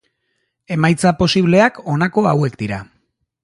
Emaitza posibleak honako hauek dira.